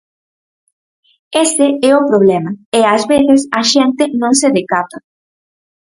Ese é o problema e ás veces a xente non se decata.